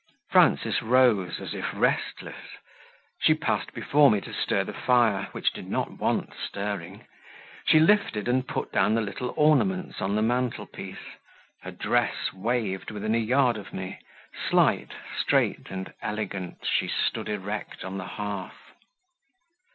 Frances rose, as if restless; she passed before me to stir the fire, which did not want stirring; she lifted and put down the little ornaments on the mantelpiece; her dress waved within a yard of me; slight, straight, and elegant, she stood erect on the hearth.